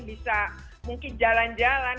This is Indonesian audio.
bisa mungkin jalan jalan